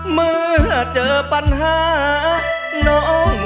เมื่อเจอปัญหาน้อง